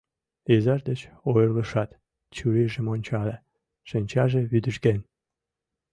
Изаж деч ойырлышат, чурийжым ончале: шинчаже вӱдыжген.